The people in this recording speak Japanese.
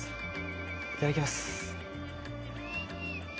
いただきます。